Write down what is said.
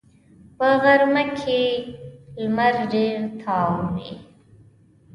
په غرمه کې لمر ډېر تاو وي